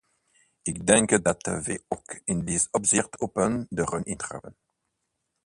Ik denk dat we ook in dit opzicht open deuren intrappen.